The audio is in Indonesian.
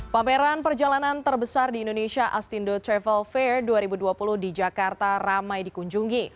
pameran perjalanan terbesar di indonesia astindo travel fair dua ribu dua puluh di jakarta ramai dikunjungi